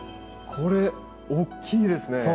これおっきいですね。